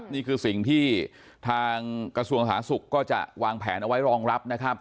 นี่คือสิ่งที่ทางกระสุนสหศักดิ์ศึกษ์ก็จะวางแผนเอาไว้รองรับ